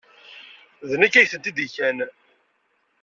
D nekk ay tent-id-igan.